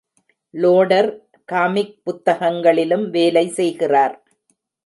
Loader comic புத்தகங்களிலும் வேலை செய்கிறார்.